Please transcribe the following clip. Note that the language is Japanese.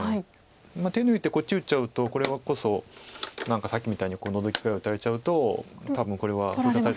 手抜いてこっち打っちゃうとこれこそ何かさっきみたいにノゾキぐらい打たれちゃうと多分これは。取られますか。